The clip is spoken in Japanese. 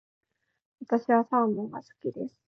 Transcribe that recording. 私はサーモンが好きです。